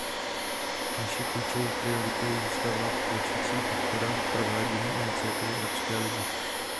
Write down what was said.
Naší klíčovou prioritou zůstává pokračující podpora provádění iniciativy Arabské ligy.